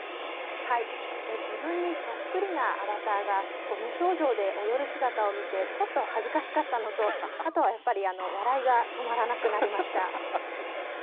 自分にそっくりなアバターが無表情で踊る姿を見てちょっと恥ずかしかったのとあとは、やっぱり笑いが止まらなくなりました。